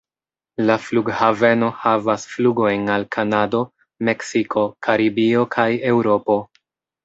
La flughaveno havas flugojn al Kanado, Meksiko, Karibio kaj Eŭropo.